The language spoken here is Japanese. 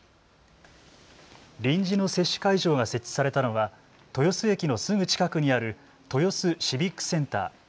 臨時の接種会場が設置されたのは豊洲駅のすぐ近くにある豊洲シビックセンター。